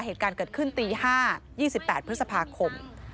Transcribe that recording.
เหตุการณ์เกิดขึ้นตี๕๒๘พฤษภาคม